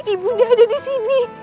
ibu bunda ada disini